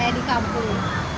ini kayak di kampung